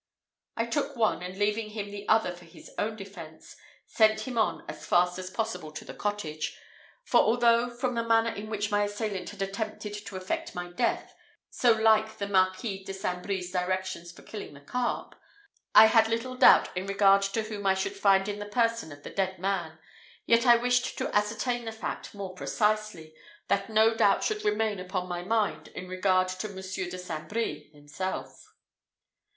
I took one, and leaving him the other for his own defence, sent him on as fast as possible to the cottage; for although, from the manner in which my assailant had attempted to effect my death, so like the Marquis de St. Brie's directions for killing the carp, I had little doubt in regard to whom I should find in the person of the dead man, yet I wished to ascertain the fact more precisely, that no doubt should remain upon my mind in regard to Monsieur de St. Brie himself.